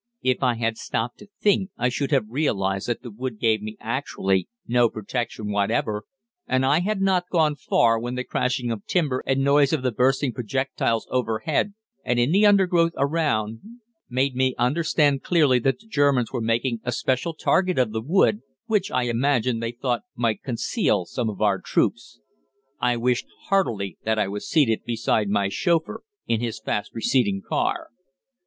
If I had stopped to think I should have realised that the wood gave me actually no protection whatever, and I had not gone far when the crashing of timber and noise of the bursting projectiles overhead and in the undergrowth around made me understand clearly that the Germans were making a special target of the wood, which, I imagine, they thought might conceal some of our troops. I wished heartily that I was seated beside my chauffeur in his fast receding car.